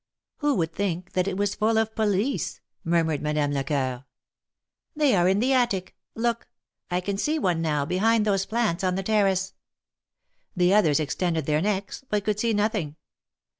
" Who would think that it was full of police ?" mur mured Madame Lecoeur. THE MARKETS OF PARIS. 297 They are in the attic. Look ! I can see one now behind those plants on the terrace.'^ The others extended their necks, but could see nothing.